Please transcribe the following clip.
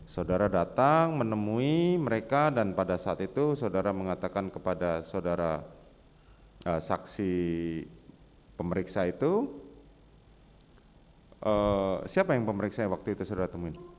saudara datang menemui mereka dan pada saat itu saudara mengatakan kepada saudara saksi pemeriksa itu siapa yang pemeriksa waktu itu saudara temuin